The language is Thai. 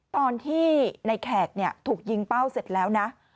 ตอนที่ในแขกถูกยิงเป้าเสร็จแล้วนะ